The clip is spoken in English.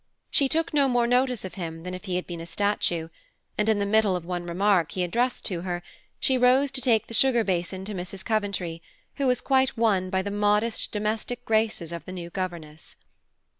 She took no more notice of him than if he had been a statue, and in the middle of the one remark he addressed to her, she rose to take the sugar basin to Mrs. Coventry, who was quite won by the modest, domestic graces of the new governess.